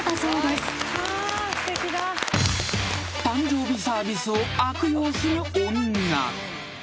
［誕生日サービスを悪用する女］